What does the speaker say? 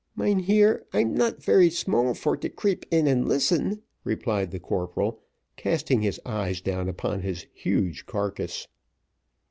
"Mynheer, I'm not very small for to creep in and listen," replied the corporal, casting his eyes down upon his huge carcass.